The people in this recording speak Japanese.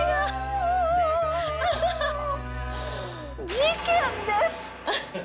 事件です！